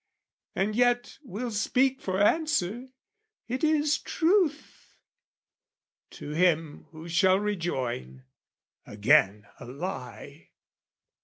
And yet will speak for answer "It is truth" To him who shall rejoin "Again a lie!"